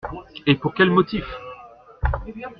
Et pour quels motifs!